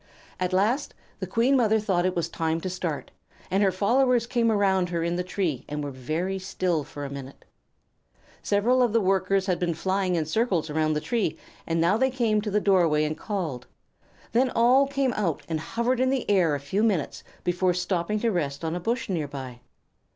At last the Queen Mother thought it time to start, and her followers came around her in the tree, and were very still for a minute. Several of the Workers had been flying in circles around the tree, and now they came to the doorway and called. Then all came out, and hovered in the air a few minutes before stopping to rest on a bush near by.